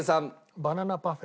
バナナパフェ。